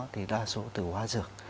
thì đa số từ hóa dược